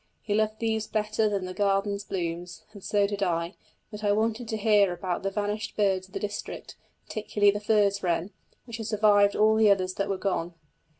He loved these better than the gardener's blooms, and so did I; but I wanted to hear about the vanished birds of the district, particularly the furze wren, which had survived all the others that were gone.